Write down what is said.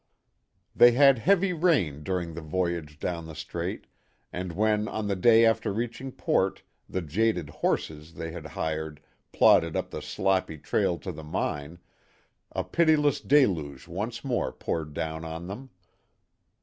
They had heavy rain during the voyage down the Strait, and when on the day after reaching port, the jaded horses they had hired plodded up the sloppy trail to the mine, a pitiless deluge once more poured down on them.